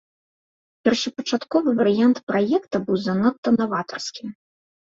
Першапачатковы варыянт праекта быў занадта наватарскім.